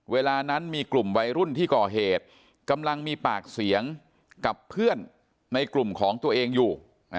เวลานั้นมีกลุ่มวัยรุ่นที่ก่อเหตุกำลังมีปากเสียงกับเพื่อนในกลุ่มของตัวเองอยู่